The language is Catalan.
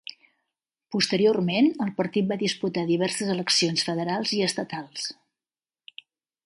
Posteriorment, el partit va disputar diverses eleccions federals i estatals.